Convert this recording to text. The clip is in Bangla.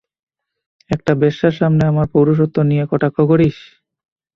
একটা বেশ্যার সামনে আমার পৌরুষত্ব নিয়ে কটাক্ষ করিস!